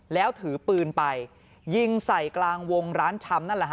แล้วถือปืนไปยิงใส่กลางวงร้านชำนั่นแหละฮะ